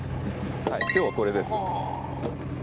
今日はこれです。